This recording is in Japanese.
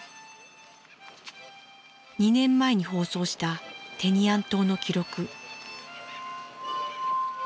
２年前に放送したテニアン島の記録。